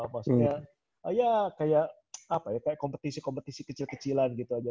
maksudnya ya kayak apa ya kayak kompetisi kompetisi kecil kecilan gitu aja